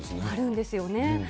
あるんですよね。